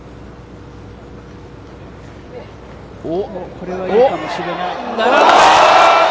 これはいいかもしれない。